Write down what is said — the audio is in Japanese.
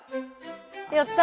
やった！